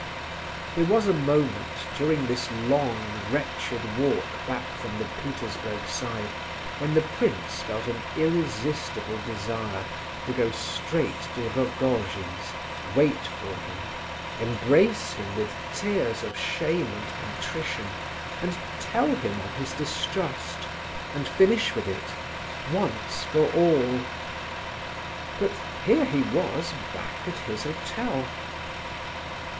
There was a moment, during this long, wretched walk back from the Petersburg Side, when the prince felt an irresistible desire to go straight to Rogojin's, wait for him, embrace him with tears of shame and contrition, and tell him of his distrust, and finish with it—once for all. But here he was back at his hotel.